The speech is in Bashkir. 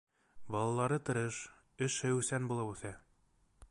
Балалары тырыш, эш һөйөүсән булып үҫә.